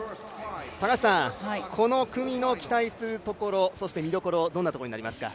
高橋さんこの組の期待するところ見どころ、どんなところになりますか？